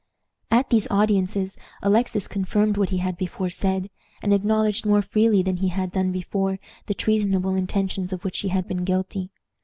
At these audiences Alexis confirmed what he had before said, and acknowledged more freely than he had done before the treasonable intentions of which he had been guilty.